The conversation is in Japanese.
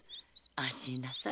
安心なさい。